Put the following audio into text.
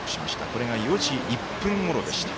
これが４時１分ごろでした。